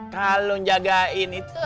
kalau njagain itu